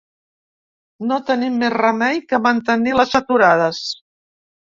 No tenim més remei que mantenir les aturades.